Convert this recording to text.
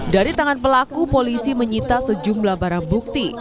dari tangan pelaku polisi menyita sejumlah barang bukti